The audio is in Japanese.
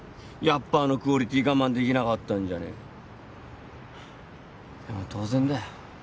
やっぱあのクオリティー我慢できなかったんじゃねーかでも当然だよ